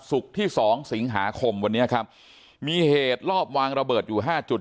ที่สองสิงหาคมวันนี้ครับมีเหตุรอบวางระเบิดอยู่ห้าจุด